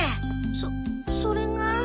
そそれが。